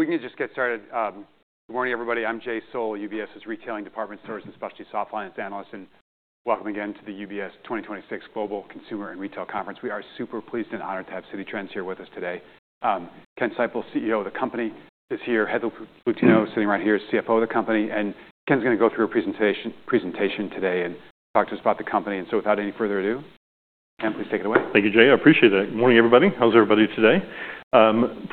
We can just get started. Good morning, everybody. I'm Jay Sole, UBS' Retailing Department Stores and Specialty Softlines analyst, and welcome again to the UBS 2026 Global Consumer and Retail Conference. We are super pleased and honored to have Citi Trends here with us today. Ken Seipel, CEO of the company, is here. Heather Plutino, sitting right here, is CFO of the company. Ken's gonna go through a presentation today and talk to us about the company. Without any further ado, Ken, please take it away. Thank you, Jay. I appreciate it. Good morning, everybody. How's everybody today? I'm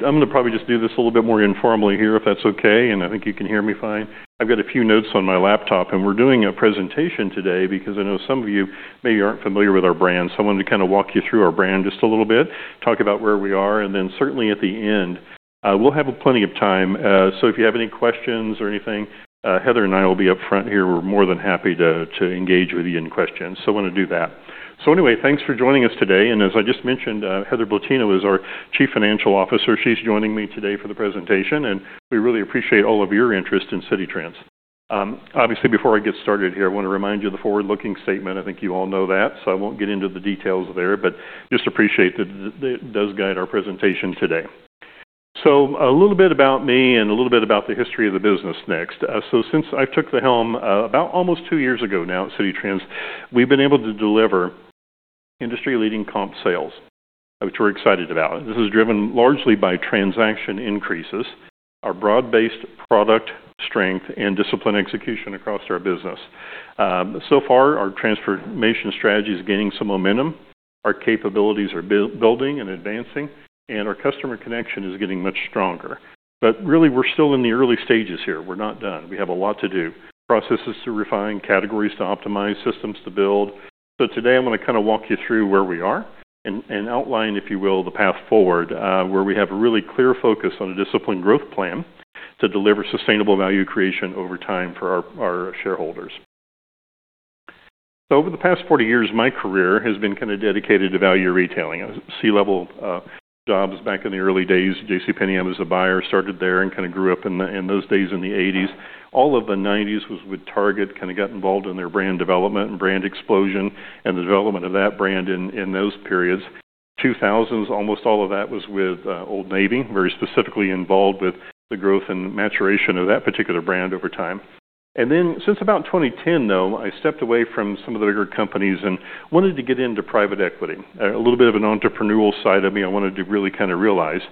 gonna probably just do this a little bit more informally here, if that's okay, and I think you can hear me fine. I've got a few notes on my laptop, and we're doing a presentation today because I know some of you maybe aren't familiar with our brand. I wanted to kind of walk you through our brand just a little bit, talk about where we are, and then certainly at the end, we'll have plenty of time. If you have any questions or anything, Heather and I will be up front here. We're more than happy to engage with you in questions. Want to do that. Anyway, thanks for joining us today. As I just mentioned, Heather Plutino is our Chief Financial Officer. She's joining me today for the presentation, and we really appreciate all of your interest in Citi Trends. Obviously, before I get started here, I want to remind you of the forward-looking statement. I think you all know that, so I won't get into the details there, but just appreciate that it does guide our presentation today. A little bit about me and a little bit about the history of the business next. Since I took the helm, about almost two years ago now at Citi Trends, we've been able to deliver industry-leading comp sales, which we're excited about. This is driven largely by transaction increases, our broad-based product strength, and disciplined execution across our business. So far, our transformation strategy is gaining some momentum. Our capabilities are building and advancing, and our customer connection is getting much stronger. Really, we're still in the early stages here. We're not done. We have a lot to do, processes to refine, categories to optimize, systems to build. Today I'm gonna kind of walk you through where we are and outline, if you will, the path forward, where we have a really clear focus on a disciplined growth plan to deliver sustainable value creation over time for our shareholders. Over the past 40 years, my career has been kind of dedicated to value retailing. C-level jobs back in the early days, JCPenney. I was a buyer, started there, and kind of grew up in those days in the 1980s. All of the 1990s was with Target, kind of got involved in their brand development and brand explosion and the development of that brand in those periods. 2000s, almost all of that was with, Old Navy, very specifically involved with the growth and maturation of that particular brand over time. Since about 2010, though, I stepped away from some of the bigger companies and wanted to get into private equity. A little bit of an entrepreneurial side of me I wanted to really kind of realize.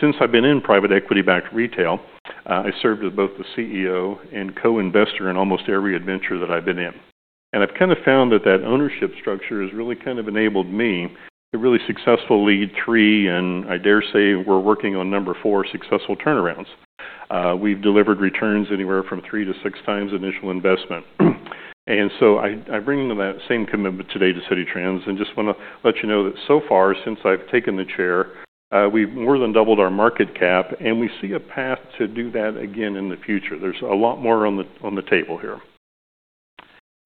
Since I've been in private equity-backed retail, I served as both the CEO and co-investor in almost every adventure that I've been in. I've kind of found that ownership structure has really kind of enabled me to really successfully lead 3, and I dare say we're working on number 4, successful turnarounds. We've delivered returns anywhere from 3x-6x initial investment. I bring that same commitment today to Citi Trends and just wanna let you know that so far, since I've taken the chair, we've more than doubled our market cap, and we see a path to do that again in the future. There's a lot more on the table here.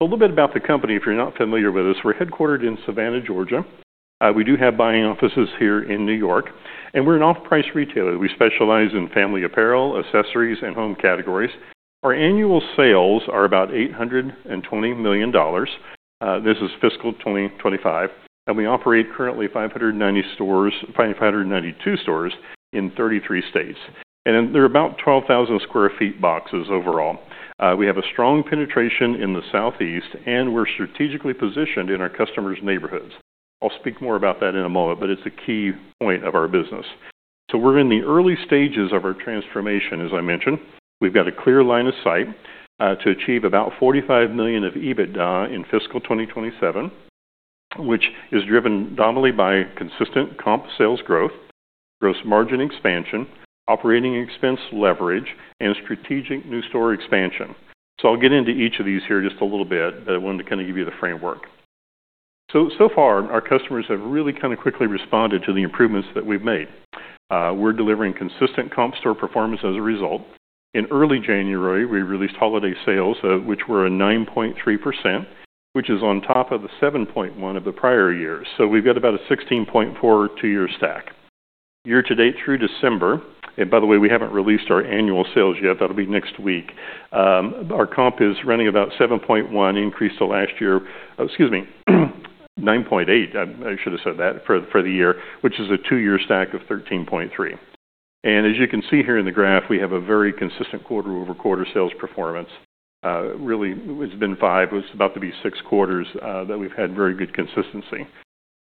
A little bit about the company, if you're not familiar with us. We're headquartered in Savannah, Georgia. We do have buying offices here in New York, and we're an off-price retailer. We specialize in family apparel, accessories, and home categories. Our annual sales are about $820 million, this is fiscal 2025, and we operate currently 592 stores in 33 states. They're about 12,000 sq ft boxes overall. We have a strong penetration in the Southeast, and we're strategically positioned in our customers' neighborhoods. I'll speak more about that in a moment, but it's a key point of our business. We're in the early stages of our transformation, as I mentioned. We've got a clear line of sight to achieve about $45 million of EBITDA in fiscal 2027, which is driven dominantly by consistent comp sales growth, gross margin expansion, operating expense leverage, and strategic new store expansion. I'll get into each of these here just a little bit, but I wanted to kind of give you the framework. So far, our customers have really kind of quickly responded to the improvements that we've made. We're delivering consistent comp store performance as a result. In early January, we released holiday sales, which were a 9.3%, which is on top of the 7.1% of the prior year. We've got about a 16.4 two-year stack. Year to date through December, and by the way, we haven't released our annual sales yet, that'll be next week, our comp is running about 7.1% increase to last year. Excuse me. 9.8%, I should have said that, for the year, which is a two-year stack of 13.3%. As you can see here in the graph, we have a very consistent quarter-over-quarter sales performance. Really, it's been five, it's about to be six quarters that we've had very good consistency.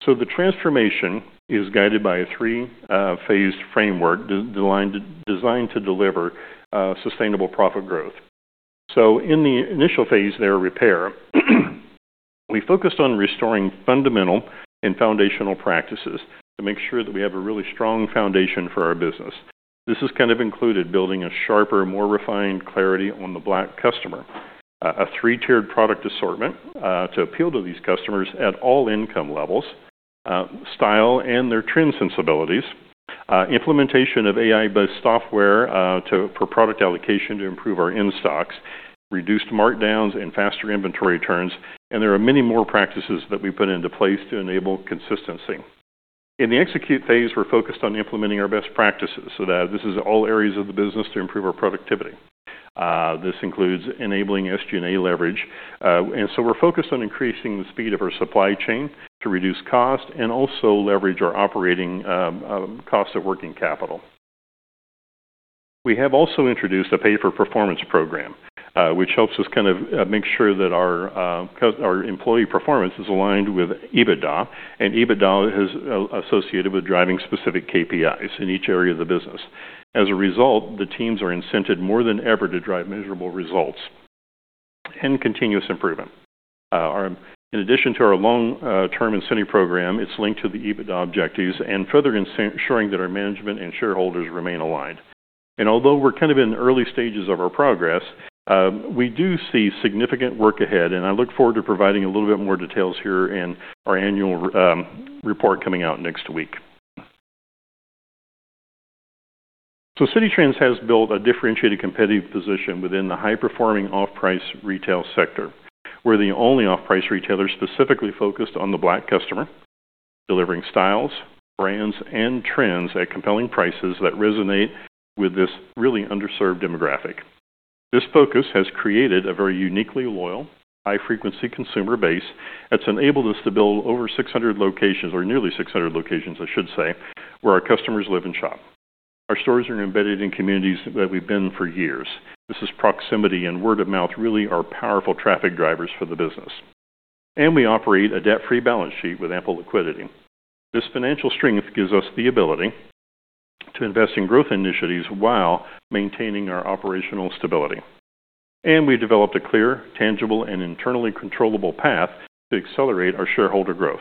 The transformation is guided by a three phased framework designed to deliver sustainable profit growth. In the initial phase there, repair, we focused on restoring fundamental and foundational practices to make sure that we have a really strong foundation for our business. This has kind of included building a sharper, more refined clarity on the Black customer, a three-tiered product assortment, to appeal to these customers at all income levels, style, and their trend sensibilities, implementation of AI-based software, to, for product allocation to improve our in-stocks, reduced markdowns and faster inventory turns, and there are many more practices that we put into place to enable consistency. In the execute phase, we're focused on implementing our best practices, so that this is all areas of the business to improve our productivity. This includes enabling SG&A leverage. We're focused on increasing the speed of our supply chain to reduce cost and also leverage our operating cost of working capital. We have also introduced a pay for performance program, which helps us kind of make sure that our employee performance is aligned with EBITDA, and EBITDA is associated with driving specific KPIs in each area of the business. As a result, the teams are incented more than ever to drive measurable results and continuous improvement. In addition to our long term incentive program, it's linked to the EBITDA objectives and further ensuring that our management and shareholders remain aligned. Although we're kind of in the early stages of our progress, we do see significant work ahead, and I look forward to providing a little bit more details here in our annual report coming out next week. Citi Trends has built a differentiated competitive position within the high-performing off-price retail sector. We're the only off-price retailer specifically focused on the Black customer, delivering styles, brands, and trends at compelling prices that resonate with this really underserved demographic. This focus has created a very uniquely loyal, high-frequency consumer base that's enabled us to build over 600 locations, or nearly 600 locations, I should say, where our customers live and shop. Our stores are embedded in communities that we've been for years. This is proximity, and word of mouth really are powerful traffic drivers for the business. We operate a debt-free balance sheet with ample liquidity. This financial strength gives us the ability to invest in growth initiatives while maintaining our operational stability. We've developed a clear, tangible, and internally controllable path to accelerate our shareholder growth.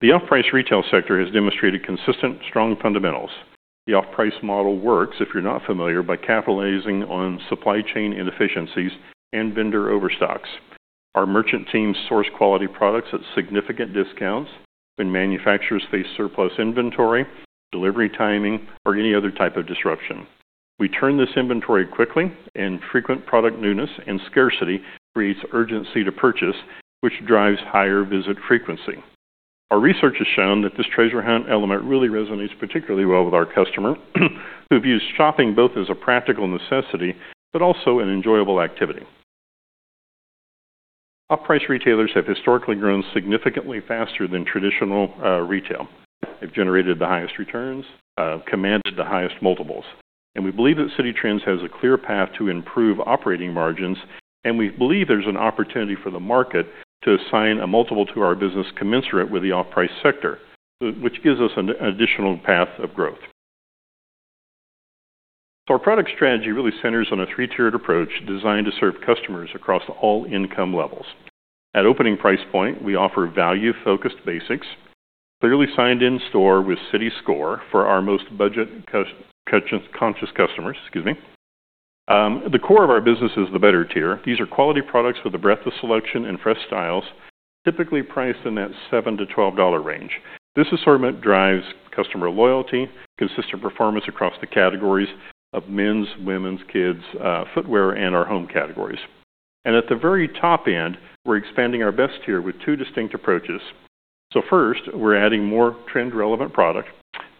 The off-price retail sector has demonstrated consistent, strong fundamentals. The off-price model works, if you're not familiar, by capitalizing on supply chain inefficiencies and vendor overstocks. Our merchant teams source quality products at significant discounts when manufacturers face surplus inventory, delivery timing, or any other type of disruption. We turn this inventory quickly, and frequent product newness and scarcity creates urgency to purchase, which drives higher visit frequency. Our research has shown that this treasure hunt element really resonates particularly well with our customer, who views shopping both as a practical necessity but also an enjoyable activity. Off-price retailers have historically grown significantly faster than traditional retail. They've generated the highest returns, commanded the highest multiples. We believe that Citi Trends has a clear path to improve operating margins, and we believe there's an opportunity for the market to assign a multiple to our business commensurate with the off-price sector, which gives us an additional path of growth. Our product strategy really centers on a 3-tiered approach designed to serve customers across all income levels. At opening price point, we offer value-focused basics, clearly signed in store with CITI SCORE for our most budget-conscious customers. The core of our business is the better tier. These are quality products with a breadth of selection and fresh styles, typically priced in that $7-$12 range. This assortment drives customer loyalty, consistent performance across the categories of men's, women's, kids', footwear, and our home categories. At the very top end, we're expanding our best tier with two distinct approaches. First, we're adding more trend-relevant product,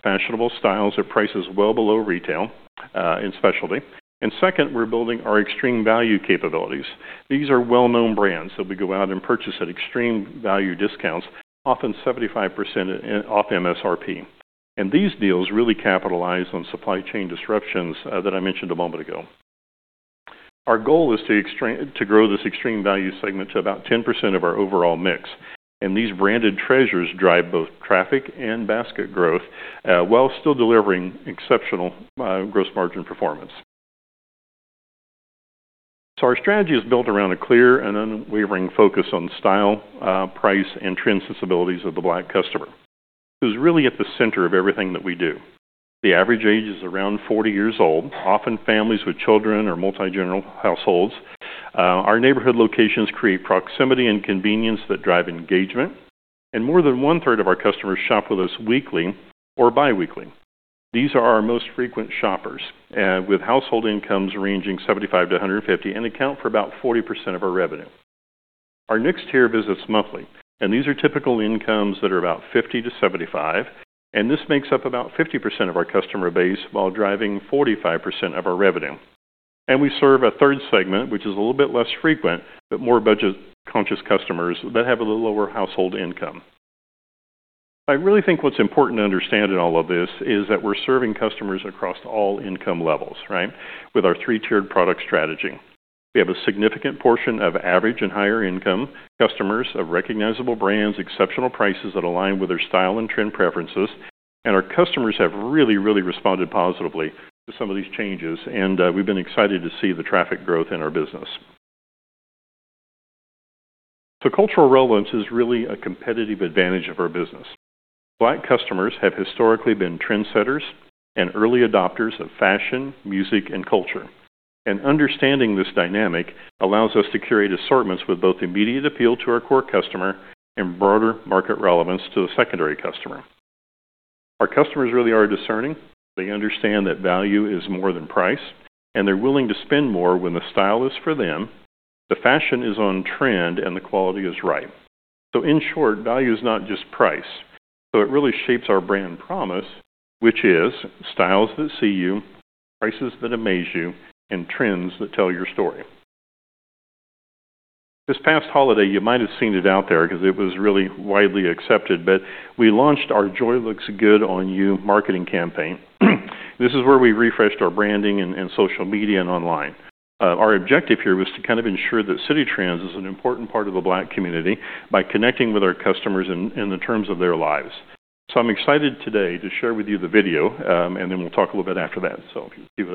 fashionable styles at prices well below retail and specialty. Second, we're building our extreme value capabilities. These are well-known brands that we go out and purchase at extreme value discounts, often 75% off MSRP. These deals really capitalize on supply chain disruptions that I mentioned a moment ago. Our goal is to grow this extreme value segment to about 10% of our overall mix. These branded treasures drive both traffic and basket growth while still delivering exceptional gross margin performance. Our strategy is built around a clear and unwavering focus on style, price, and trend sensibilities of the Black customer, who's really at the center of everything that we do. The average age is around 40 years old, often families with children or multi-generational households. Our neighborhood locations create proximity and convenience that drive engagement. More than one-third of our customers shop with us weekly or bi-weekly. These are our most frequent shoppers, with household incomes ranging $75,000-$150,000 and account for about 40% of our revenue. Our next tier visits monthly, and these are typical incomes that are about $50,000-$75,000, and this makes up about 50% of our customer base while driving 45% of our revenue. We serve a third segment, which is a little bit less frequent, but more budget-conscious customers that have a little lower household income. I really think what's important to understand in all of this is that we're serving customers across all income levels, right, with our three-tiered product strategy. We have a significant portion of average and higher income customers of recognizable brands, exceptional prices that align with their style and trend preferences. Our customers have really responded positively to some of these changes, and we've been excited to see the traffic growth in our business. Cultural relevance is really a competitive advantage of our business. Black customers have historically been trendsetters and early adopters of fashion, music, and culture. Understanding this dynamic allows us to curate assortments with both immediate appeal to our core customer and broader market relevance to the secondary customer. Our customers really are discerning. They understand that value is more than price, and they're willing to spend more when the style is for them. The fashion is on trend and the quality is right. In short, value is not just price. It really shapes our brand promise, which is styles that see you, prices that amaze you, and trends that tell your story. This past holiday, you might have seen it out there because it was really widely accepted, but we launched our Joy Looks Good On You marketing campaign. This is where we refreshed our branding and social media and online. Our objective here was to kind of ensure that Citi Trends is an important part of the Black community by connecting with our customers in the terms of their lives. I'm excited today to share with you the video, and then we'll talk a little bit after that. If you cue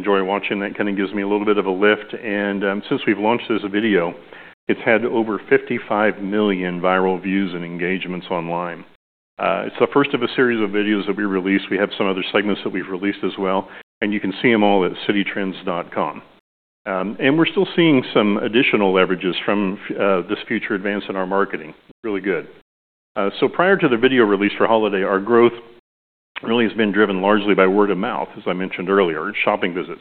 that up. If you love yourself, let me hear you say it. Really be yourself, let me hear you say it. Heading to the top, let me hear you say it. If you love yourself, let me hear you say it. Really be yourself, let me hear you say it. Always enjoy watching. That kind of gives me a little bit of a lift. Since we've launched this video, it's had over 55 million viral views and engagements online. It's the first of a series of videos that we released. We have some other segments that we've released as well, and you can see them all at cititrends.com. We're still seeing some additional leverages from this future advance in our marketing. Really good. Prior to the video release for holiday, our growth really has been driven largely by word of mouth, as I mentioned earlier, shopping visits.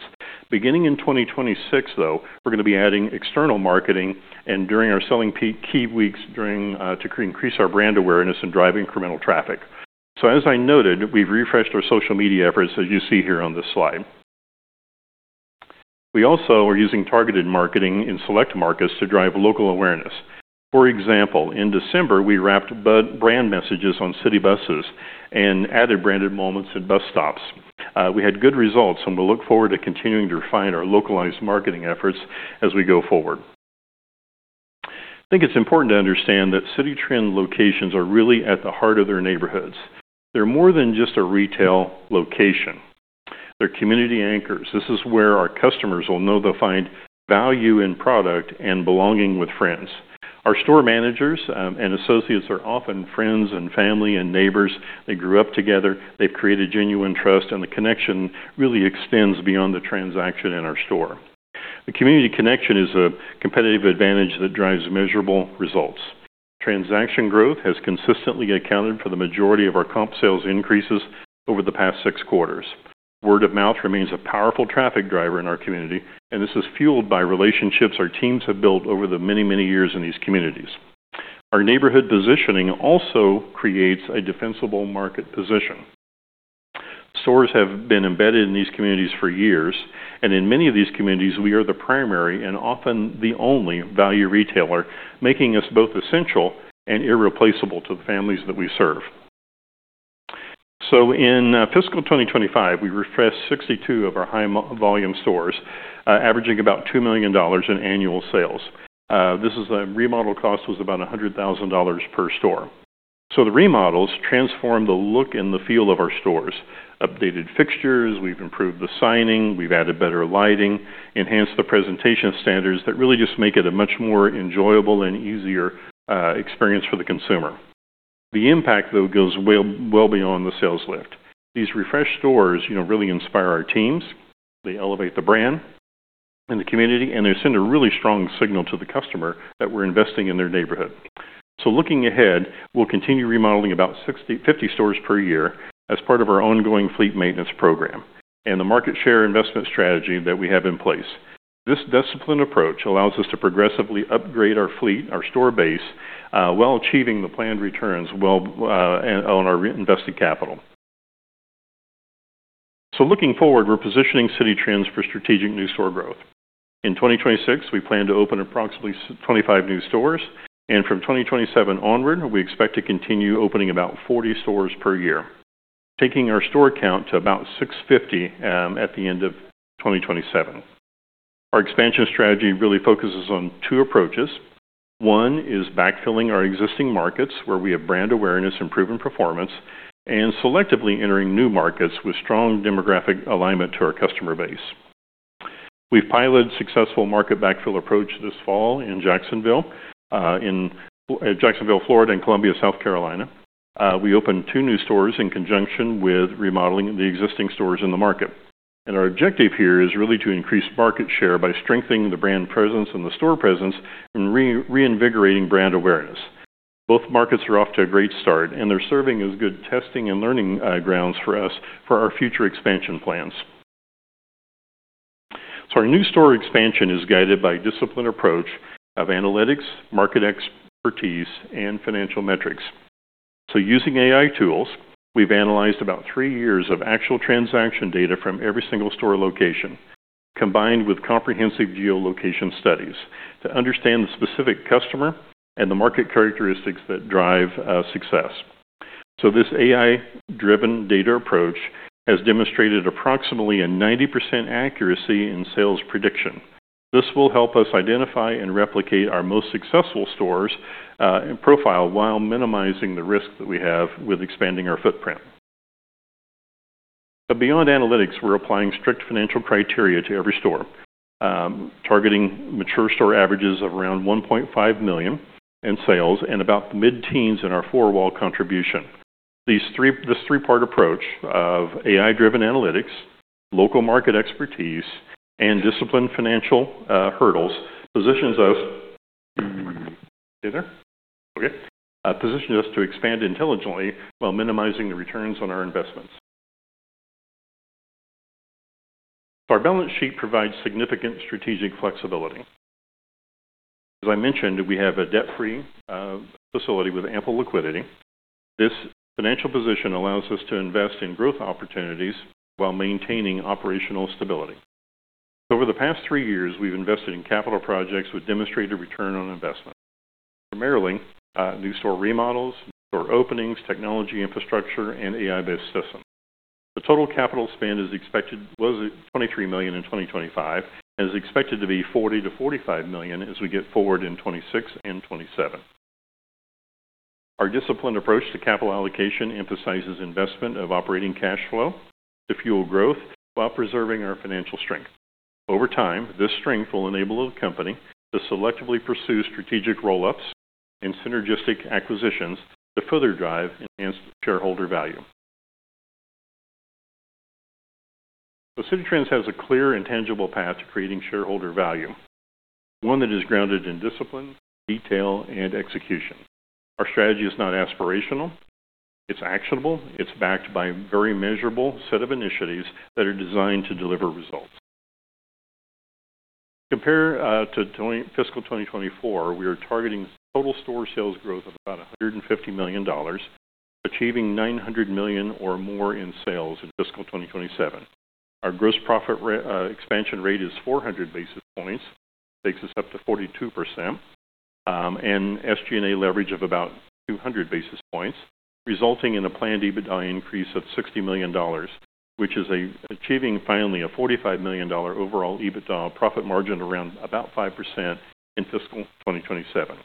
Beginning in 2026, though, we're gonna be adding external marketing and during our selling peak key weeks during to increase our brand awareness and drive incremental traffic. As I noted, we've refreshed our social media efforts, as you see here on this slide. We also are using targeted marketing in select markets to drive local awareness. For example, in December, we wrapped brand messages on city buses and added branded moments at bus stops. We had good results, and we look forward to continuing to refine our localized marketing efforts as we go forward. I think it's important to understand that Citi Trends locations are really at the heart of their neighborhoods. They're more than just a retail location. They're community anchors. This is where our customers will know they'll find value in product and belonging with friends. Our store managers and associates are often friends and family and neighbors. They grew up together. They've created genuine trust, and the connection really extends beyond the transaction in our store. The community connection is a competitive advantage that drives measurable results. Transaction growth has consistently accounted for the majority of our comp sales increases over the past six quarters. Word of mouth remains a powerful traffic driver in our community, and this is fueled by relationships our teams have built over the many, many years in these communities. Our neighborhood positioning also creates a defensible market position. Stores have been embedded in these communities for years, and in many of these communities, we are the primary and often the only value retailer, making us both essential and irreplaceable to the families that we serve. In fiscal 2025, we refreshed 62 of our high volume stores, averaging about $2 million in annual sales. The remodel cost was about $100,000 per store. The remodels transform the look and the feel of our stores. Updated fixtures, we've improved the signage, we've added better lighting, enhanced the presentation standards that really just make it a much more enjoyable and easier experience for the consumer. The impact, though, goes well beyond the sales lift. These refreshed stores, you know, really inspire our teams. They elevate the brand and the community, and they send a really strong signal to the customer that we're investing in their neighborhood. Looking ahead, we'll continue remodeling about 50 stores per year as part of our ongoing fleet maintenance program and the market share investment strategy that we have in place. This disciplined approach allows us to progressively upgrade our fleet, our store base, while achieving the planned returns well and on our reinvested capital. Looking forward, we're positioning Citi Trends for strategic new store growth. In 2026, we plan to open approximately 25 new stores, and from 2027 onward, we expect to continue opening about 40 stores per year, taking our store count to about 650 at the end of 2027. Our expansion strategy really focuses on two approaches. One is backfilling our existing markets where we have brand awareness and proven performance, and selectively entering new markets with strong demographic alignment to our customer base. We've piloted successful market backfill approach this fall in Jacksonville, Florida, and Columbia, South Carolina. We opened two new stores in conjunction with remodeling the existing stores in the market. Our objective here is really to increase market share by strengthening the brand presence and the store presence and reinvigorating brand awareness. Both markets are off to a great start, and they're serving as good testing and learning grounds for us for our future expansion plans. Our new store expansion is guided by a disciplined approach of analytics, market expertise, and financial metrics. Using AI tools, we've analyzed about 3 years of actual transaction data from every single store location, combined with comprehensive geolocation studies to understand the specific customer and the market characteristics that drive success. This AI-driven data approach has demonstrated approximately 90% accuracy in sales prediction. This will help us identify and replicate our most successful stores profile while minimizing the risk that we have with expanding our footprint. Beyond analytics, we're applying strict financial criteria to every store, targeting mature store averages of around $1.5 million in sales and about mid-teens% in our four-wall contribution. This three-part approach of AI-driven analytics, local market expertise, and disciplined financial hurdles positions us to expand intelligently while maximizing the returns on our investments. Our balance sheet provides significant strategic flexibility. As I mentioned, we have a debt-free facility with ample liquidity. This financial position allows us to invest in growth opportunities while maintaining operational stability. Over the past three years, we've invested in capital projects with demonstrated return on investment. Primarily, new store remodels, new store openings, technology infrastructure, and AI-based systems. The total capital spend was at $23 million in 2025, and is expected to be $40 million-$45 million as we go forward in 2026 and 2027. Our disciplined approach to capital allocation emphasizes investment of operating cash flow to fuel growth while preserving our financial strength. Over time, this strength will enable the company to selectively pursue strategic roll-ups and synergistic acquisitions to further drive enhanced shareholder value. Citi Trends has a clear and tangible path to creating shareholder value, one that is grounded in discipline, detail, and execution. Our strategy is not aspirational, it's actionable. It's backed by a very measurable set of initiatives that are designed to deliver results. Compared to fiscal 2024, we are targeting total store sales growth of about $150 million, achieving $900 million or more in sales in fiscal 2027. Our gross profit expansion rate is 400 basis points, takes us up to 42%, and SG&A leverage of about 200 basis points, resulting in a planned EBITDA increase of $60 million, which is achieving finally a $45 million dollar overall EBITDA profit margin around about 5% in fiscal 2027.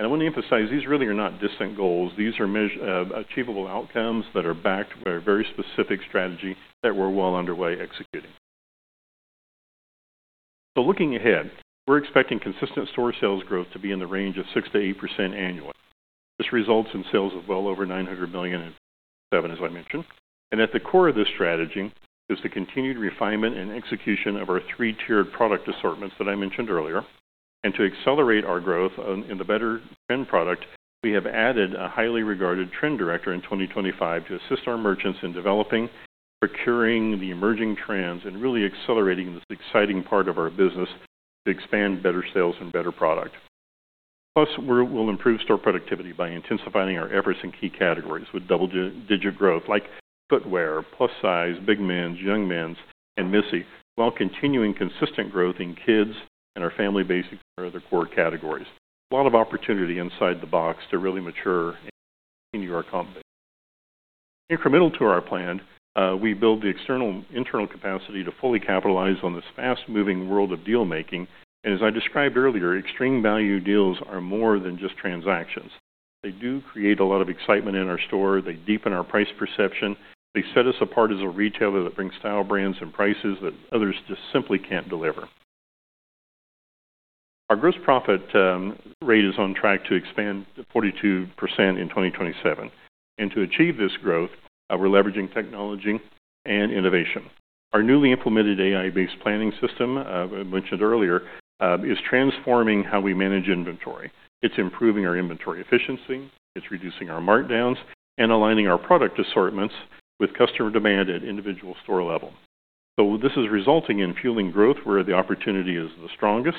I wanna emphasize, these really are not distant goals. These are achievable outcomes that are backed by a very specific strategy that we're well underway executing. looking ahead, we're expecting consistent store sales growth to be in the range of 6%-8% annually. This results in sales of well over $900 million in 2027, as I mentioned. at the core of this strategy is the continued refinement and execution of our three-tiered product assortments that I mentioned earlier. To accelerate our growth in the better trend product, we have added a highly regarded trend director in 2025 to assist our merchants in developing, procuring the emerging trends, and really accelerating this exciting part of our business to expand better sales and better product. Plus, we'll improve store productivity by intensifying our efforts in key categories with double-digit growth like footwear, plus size, big men's, young men's, and missy, while continuing consistent growth in kids and our family basics and our other core categories. A lot of opportunity inside the box to really mature and continue our competition. Incremental to our plan, we build the internal capacity to fully capitalize on this fast-moving world of deal making. As I described earlier, extreme value deals are more than just transactions. They do create a lot of excitement in our store. They deepen our price perception. They set us apart as a retailer that brings style, brands, and prices that others just simply can't deliver. Our gross profit rate is on track to expand to 42% in 2027. To achieve this growth, we're leveraging technology and innovation. Our newly implemented AI-based planning system we mentioned earlier is transforming how we manage inventory. It's improving our inventory efficiency, it's reducing our markdowns, and aligning our product assortments with customer demand at individual store level. This is resulting in fueling growth where the opportunity is the strongest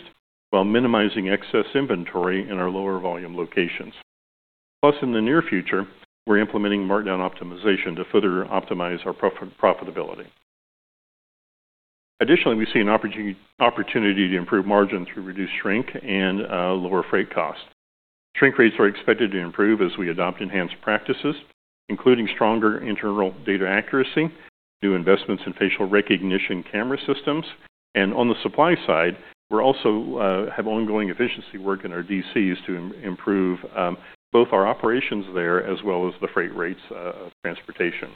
while minimizing excess inventory in our lower volume locations. Plus, in the near future, we're implementing markdown optimization to further optimize our profitability. Additionally, we see an opportunity to improve margin through reduced shrink and lower freight cost. Shrink rates are expected to improve as we adopt enhanced practices, including stronger internal data accuracy, new investments in facial recognition camera systems. On the supply side, we also have ongoing efficiency work in our DCs to improve both our operations there as well as the freight rates of transportation.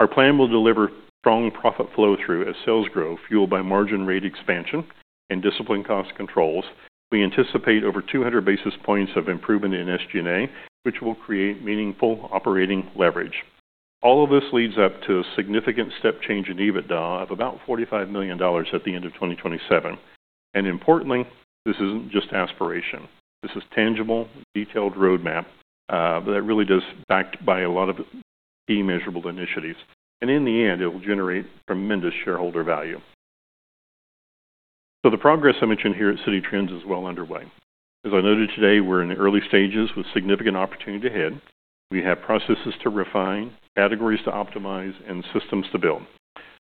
Our plan will deliver strong profit flow through as sales grow, fueled by margin rate expansion and disciplined cost controls. We anticipate over 200 basis points of improvement in SG&A, which will create meaningful operating leverage. All of this leads up to a significant step change in EBITDA of about $45 million at the end of 2027. Importantly, this isn't just aspiration. This is tangible, detailed roadmap that really is backed by a lot of key measurable initiatives. In the end, it will generate tremendous shareholder value. The progress I mentioned here at Citi Trends is well underway. As I noted today, we're in the early stages with significant opportunity ahead. We have processes to refine, categories to optimize, and systems to build.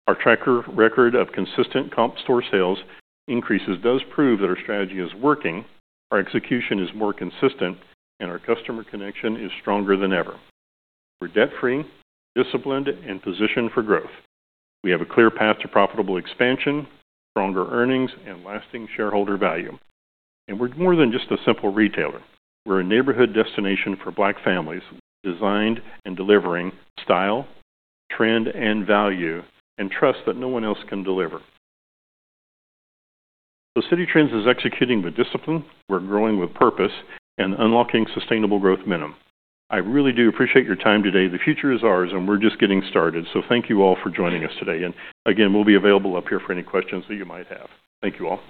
Our track record of consistent comp store sales increases does prove that our strategy is working, our execution is more consistent, and our customer connection is stronger than ever. We're debt-free, disciplined, and positioned for growth. We have a clear path to profitable expansion, stronger earnings, and lasting shareholder value. We're more than just a simple retailer. We're a neighborhood destination for Black families, destined and delivering style, trend, and value and trust that no one else can deliver. Citi Trends is executing with discipline. We're growing with purpose and unlocking sustainable growth momentum. I really do appreciate your time today. The future is ours, and we're just getting started. Thank you all for joining us today. Again, we'll be available up here for any questions that you might have. Thank you all.